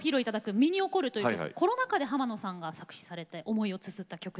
「身に起こる」という曲コロナ禍で浜野さんが作詞されて思いをつづった曲です。